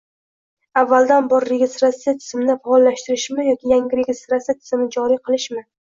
Avvaldan bor registratsiya tizimini faollashtirishmi yoki yangi registratsiya tizimini joriy qilishmi